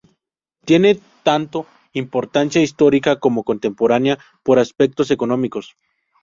Tiene tanto importancia histórica como contemporánea por aspectos económicos.